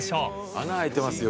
穴開いてますよ